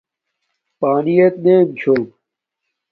پانی ایت نیم چھوم